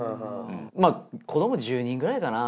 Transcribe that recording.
まあ子供１０人くらいかな。